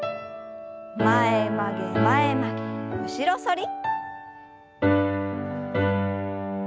前曲げ前曲げ後ろ反り。